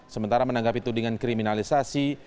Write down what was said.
sementara menanggapi tudingan kriminalisasi